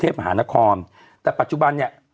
เราก็มีความหวังอะ